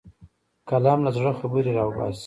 قلم له زړه خبرې راوباسي